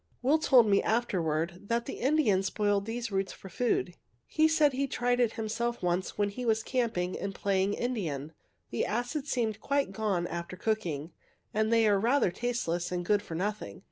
'' Will told me afterward that the Indians boiled these roots for food. He said he tried it himself once when he was camping and playing Indian. The acid seems quite gone after cooking, and they are rather tasteless and good for nothing.